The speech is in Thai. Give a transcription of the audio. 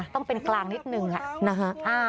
ต้องเป็นกลางนิดนึงนะคะ